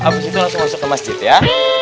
habis itu langsung masuk ke masjid ya